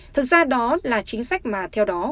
thực ra đó là chính sách mà theo đó